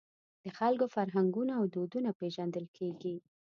د خلکو فرهنګونه او دودونه پېژندل کېږي.